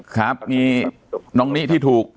ทุกคนตาลังได้มีหน้านี้ที่ถูก